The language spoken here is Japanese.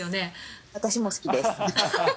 私も好きです。